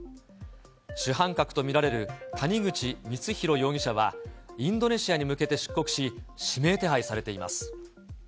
主犯格と見られる谷口光弘容疑者は、インドネシアに向けて出国し、指名手配されています。